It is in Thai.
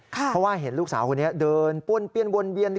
เพราะว่าเห็นลูกสาวคนนี้เดินป้วนเปี้ยนวนเวียน